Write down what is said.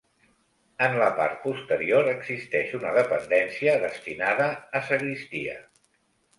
En la part posterior existeix una dependència destinada a sagristia.